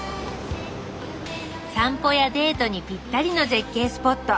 散歩やデートにぴったりの絶景スポット。